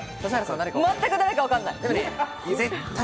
全く誰かわかんない。